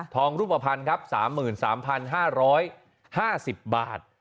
รูปภัณฑ์ครับ๓๓๕๕๐บาท